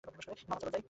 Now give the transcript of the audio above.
মামা, চলো যাই।